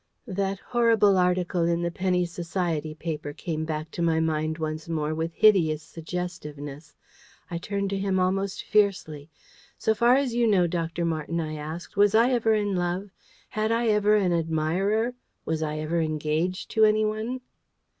That horrible article in the penny Society paper came back to my mind once more with hideous suggestiveness. I turned to him almost fiercely. "So far as you know, Dr. Marten," I asked, "was I ever in love? Had I ever an admirer? Was I ever engaged to anyone?"